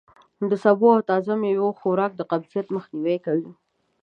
د سبو او تازه میوو خوراک د قبضیت مخنوی کوي.